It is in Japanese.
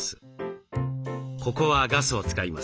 ここはガスを使います。